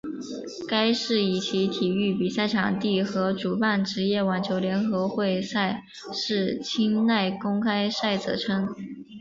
该市以其体育比赛场地和主办职业网球联合会赛事清奈公开赛着称。